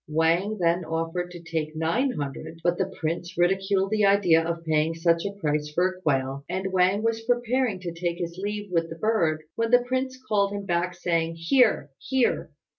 Wang then offered to take nine hundred; but the prince ridiculed the idea of paying such a price for a quail, and Wang was preparing to take his leave with the bird, when the prince called him back, saying, "Here! here!